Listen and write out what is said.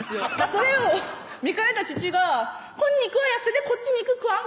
それを見かねた父が「こんにくはやっせんでこっちにくくわんか」